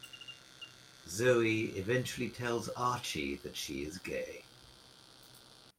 Zoe eventually tells Archie that she is gay.